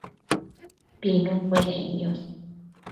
pinu cuenec niosh